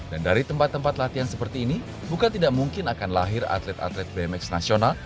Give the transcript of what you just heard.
dan dari tempat tempat latihan seperti ini bukan tidak mungkin akan lahir atlet atlet bmx nasional